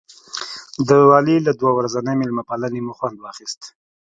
د والي له دوه ورځنۍ مېلمه پالنې مو خوند واخیست.